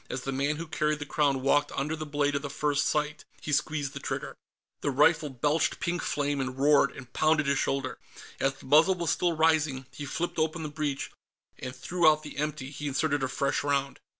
As the man who carried the Crown walked under the blade of the front sight, he squeezed the trigger. The rifle belched pink flame and roared and pounded his shoulder. As the muzzle was still rising, he flipped open the breech, and threw out the empty. He inserted a fresh round.